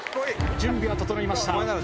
・準備は整いました。